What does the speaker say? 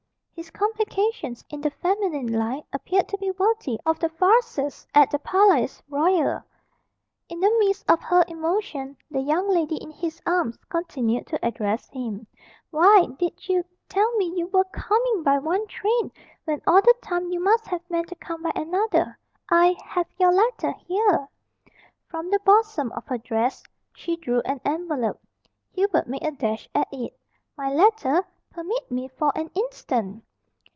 His complications in the feminine line appeared to be worthy of the farces at the Palais Royal. In the midst of her emotion, the young lady in his arms continued to address him. "Why did you tell me you were coming by one train when all the time you must have meant to come by another. I have your letter here " From the bosom of her dress she drew an envelope. Hubert made a dash at it. "My letter? Permit me for an instant!"